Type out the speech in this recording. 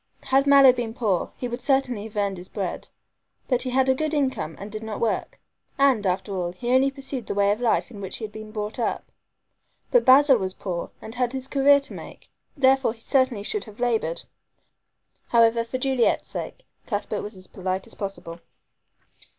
Had Mallow been poor he would certainly have earned his bread, but he had a good income and did not work. And, after all, he only pursued the way of life in which he had been brought up. But Basil was poor and had his career to make, therefore he certainly should have labored. However, for Juliet's sake, Cuthbert was as polite as possible.